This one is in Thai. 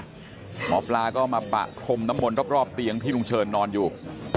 หมอปลาก็มาปะพรมน้ำมนต์รอบเตียงที่ลุงเชิญนอนอยู่